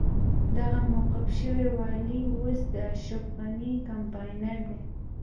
دغه موقوف شوی والي اوس د اشرف غني کمپاينر دی.